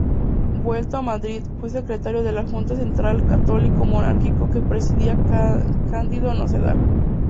Vuelto a Madrid, fue secretario de la Junta Central católico-monárquica que presidía Cándido Nocedal.